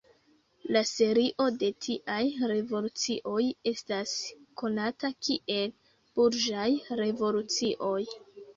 La serio de tiaj revolucioj estas konata kiel Burĝaj revolucioj.